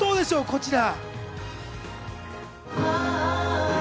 こちら！